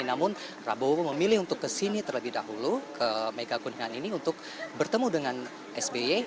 namun prabowo memilih untuk ke sini terlebih dahulu ke megakuningan ini untuk bertemu dengan sbe